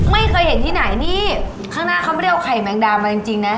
ไม่เคยเห็นที่ไหนนี่ข้างหน้าเขาไม่ได้เอาไข่แมงดามาจริงนะ